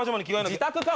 自宅か！